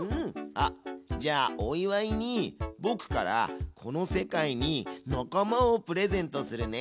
あっじゃあお祝いにぼくからこの世界に仲間をプレゼントするね！